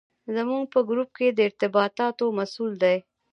زموږ په ګروپ کې د ارتباطاتو مسوول دی.